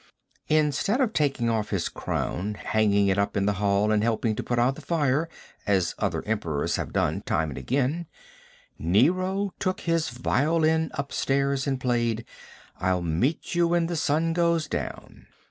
Instead of taking off his crown, hanging it up in the hall and helping to put out the fire, as other Emperors have done time and again, Nero took his violin up stairs and played, "I'll Meet You When the Sun Goes Down."